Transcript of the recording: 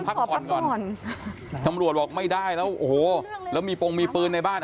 ขอพักป่อนตำรวจบอกไม่ได้แล้วโอ้โหแล้วมีโปงมีปืน